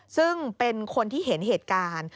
ซึ่งเป็นคนที่เห็นเหตุการณ์